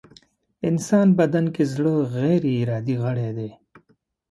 انسان بدن کې زړه غيري ارادې غړی دی.